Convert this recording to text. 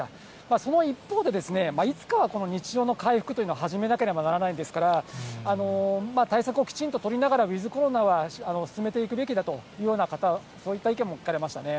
その一方で、いつかはこの日常の回復というのを始めなければならないですから、対策をきちんと取りながら、ウィズコロナは進めていくべきだという方、そういった意見も聞かれましたね。